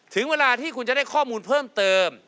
ถึงเวลาที่คุณจะได้ข้อมูลเพิ่มเติม